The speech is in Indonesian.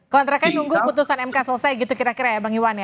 kontraknya nunggu putusan mk selesai gitu kira kira ya bang iwan ya